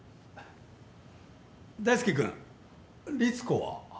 大介君リツコは？